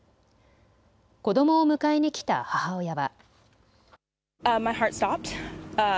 子どもを迎えに来た母親は。